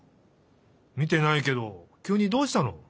みてないけどきゅうにどうしたの？